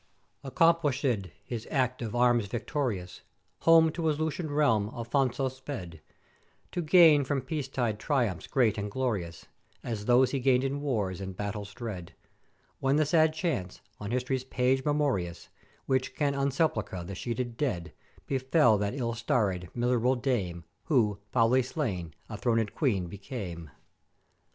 "Accomplishèd his act of arms victorious, home to his Lusian realm Afonso sped, to gain from Peace tide triumphs great and glorious, as those he gained in wars and battles dread; when the sad chance, on History's page memorious, which can unsepulchre the sheeted dead, befell that ill starr'd, miserable Dame who, foully slain, a thronèd Queen became.